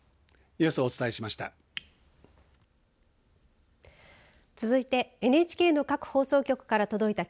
ニュースをお伝えしました。